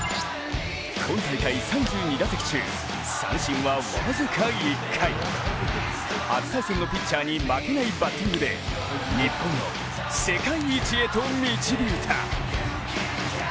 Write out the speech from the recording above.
今大会３２打席中三振は僅か１回初対戦のピッチャーに負けないバッティングで日本を世界一に導いた。